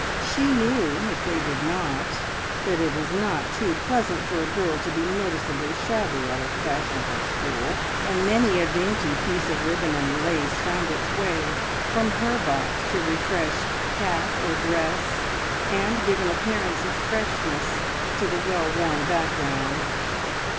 She knew, if they did not, that it is not too pleasant for a girl to be noticeably shabby at a fashionable school, and many a dainty piece of ribbon and lace found its way from her box to refresh hat or dress, and give an appearance of freshness to the well worn background.